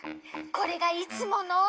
これがいつもの。